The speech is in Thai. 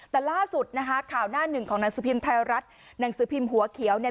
แต่ล่าสุดนะคะข่าวหน้าหนึ่งของนังสือพิมพ์ไทยรัฐหัวเขียวเนี่ย